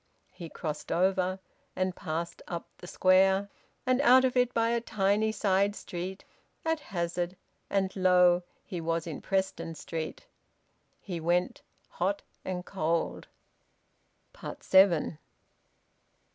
He crossed over, and passed up the Square, and out of it by a tiny side street, at hazard, and lo! he was in Preston Street. He went hot and cold. SEVEN.